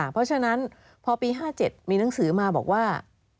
เพราะฉะนั้นพอปี๕๗มีหนังสือมาบอกว่า